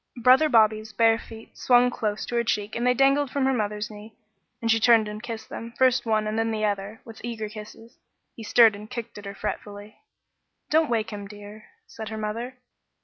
Brother Bobby's bare feet swung close to her cheek as they dangled from her mother's knee, and she turned and kissed them, first one and then the other, with eager kisses. He stirred and kicked out at her fretfully. "Don't wake him, dear," said her mother.